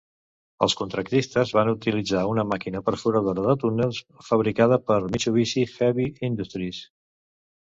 Els contractistes van utilitzar una màquina perforadora de túnels fabricada per Mitsubishi Heavy Industries.